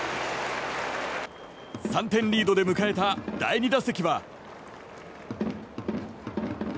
３点リードで迎えた第２打席は。